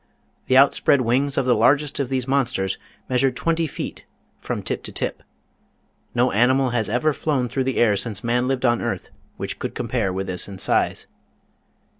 The outspread wings of the largest of these monsters measured twenty feet from tip to tip. No animal has ever flown through the air since man lived on earth which could compare with this in size.